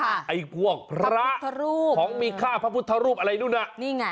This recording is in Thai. ไอ้พวกพระของมีค่าพระพุทธรูปอะไรนู้นน่ะ